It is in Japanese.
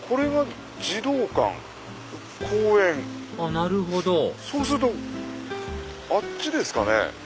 なるほどそうするとあっちですかね。